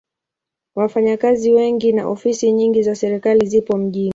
Wafanyakazi wengi na ofisi nyingi za serikali zipo mjini.